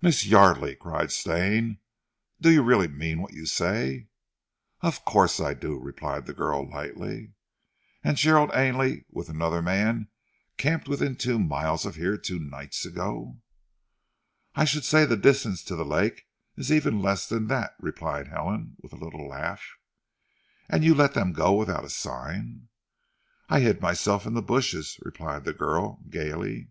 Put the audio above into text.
"Miss Yardely," cried Stane, "do you really mean what you say?" "Of course I do," replied the girl lightly. "And Gerald Ainley with another man camped within two miles of here two nights ago?" "I should say the distance to the lake is even less than that," replied Helen with a little laugh. "And you let them go without a sign." "I hid myself in the bushes," replied the girl, gaily.